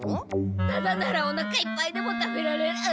タダならおなかいっぱいでも食べられる。